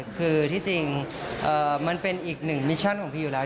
คือที่จริงมันเป็นอีกหนึ่งมิชชั่นของพีอยู่แล้ว